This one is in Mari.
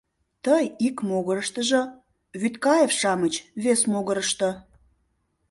Тый — ик могырыштыжо, Вӱдкаев-шамыч — вес могырышто...